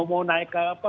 mau mau naik apa